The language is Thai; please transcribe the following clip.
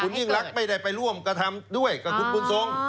ยิ่งรักไม่ได้ไปร่วมกระทำด้วยกับคุณบุญทรง